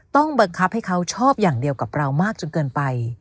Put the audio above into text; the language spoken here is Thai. ต้องบังคับให้เขาชอบอย่างเดียวกับเรามากจนเกินไป